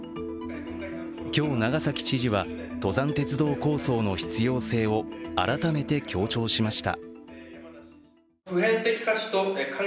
今日、長崎知事は登山鉄道構想の必要性を改めて強調しました。